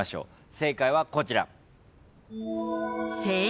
正解はこちら。